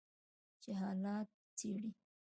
چې حالات څیړي